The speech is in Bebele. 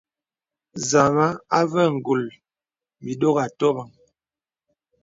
Nzàma àvə ngūl bi dòg atòbəŋ.